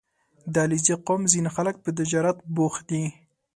• د علیزي قوم ځینې خلک په تجارت بوخت دي.